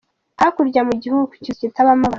Hakurya mugihuku, ikizu kitabamo abantu.